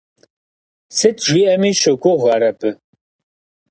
Сыт жиӏэми щогугъ ар абы.